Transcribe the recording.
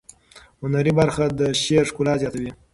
هنري برخه د شعر ښکلا زیاتوي.